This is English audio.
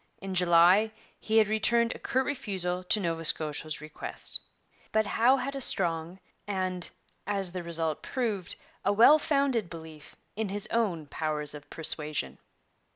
In July he had returned a curt refusal to Nova Scotia's request. But Howe had a strong and, as the result proved, a well founded belief in his own powers of persuasion.